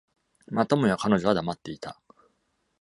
またもや彼女は黙っていた。